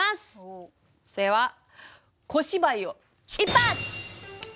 それでは小芝居を一発！